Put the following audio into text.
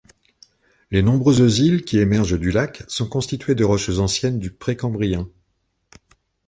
Les nombreuses îles, qui émergent du lac, sont constituées de roches anciennes du Précambrien.